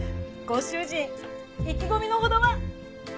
ご主人意気込みのほどは？